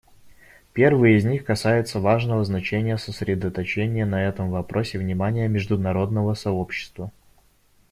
Первый из них касается важного значения сосредоточения на этом вопросе внимания международного сообщества.